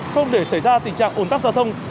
không để xảy ra tình trạng ồn tắc giao thông